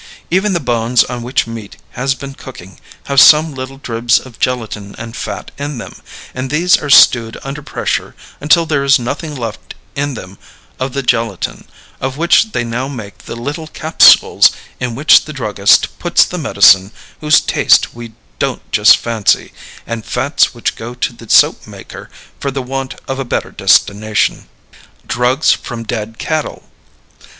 Even the bones on which meat has been cooked have some little dribs of gelatin and fat in them, and these are stewed under pressure until there is nothing left in them of the gelatin, of which they now make the little capsules in which the druggist puts the medicine whose taste we don't just fancy, and fats which go to the soap maker for the want of a better destination. Drugs from Dead Cattle.